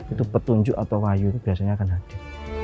itu petunjuk atau wayu itu biasanya akan hadir